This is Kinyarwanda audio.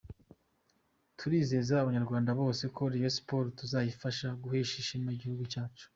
Turizeza Abanyarwanda bose ko Rayon Sports tuzayifasha guhesha ishema igihugu cyacu.